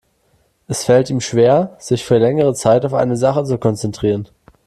Es fällt ihm schwer, sich für längere Zeit auf eine Sache zu konzentrieren.